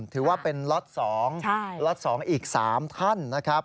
ถือว่าเป็นล็อต๒ล็อต๒อีก๓ท่านนะครับ